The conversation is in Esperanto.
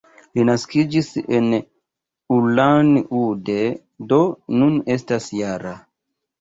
Li naskiĝis en Ulan-Ude, do nun estas -jara.